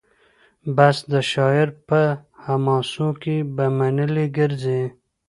بس د شاعر په حماسو کي به منلي ګرځي